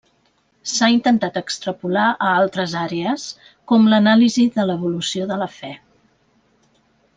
S'ha intentat extrapolar a altres àrees, com l'anàlisi de l'evolució de la fe.